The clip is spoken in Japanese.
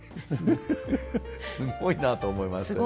すごいなと思いましたね。